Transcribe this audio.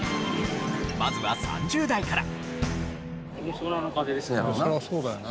まずは３０代から。